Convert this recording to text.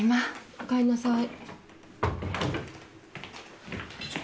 おかえりなさい。